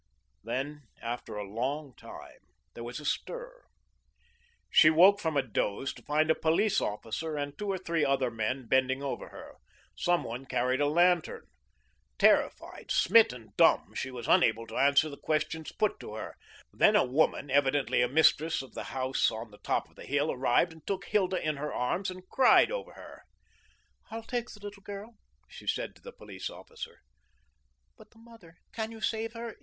Then, after a long time, there was a stir. She woke from a doze to find a police officer and two or three other men bending over her. Some one carried a lantern. Terrified, smitten dumb, she was unable to answer the questions put to her. Then a woman, evidently a mistress of the house on the top of the hill, arrived and took Hilda in her arms and cried over her. "I'll take the little girl," she said to the police officer. "But the mother, can you save her?